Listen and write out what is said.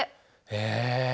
へえ。